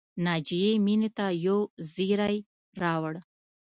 ناجیې مینې ته یو زېری راوړ